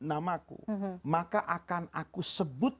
namaku maka akan aku sebut